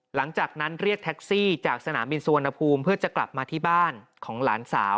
หลังจากนั้นเรียกแท็กซี่จากสนามบินสุวรรณภูมิเพื่อจะกลับมาที่บ้านของหลานสาว